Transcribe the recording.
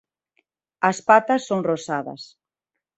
As patas son rosadas.